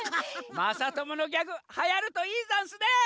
まさとものギャグはやるといいざんすね！